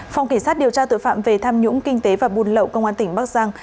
phòng cảnh sát điều tra tội phạm về tham nhũng kinh tế và buôn lậu công an tỉnh bắc giang